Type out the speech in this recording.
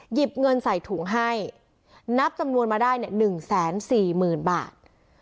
หยิบเงินใส่ถุงให้นับจำนวนมาได้เนี่ยหนึ่งแสนสี่หมื่นบาท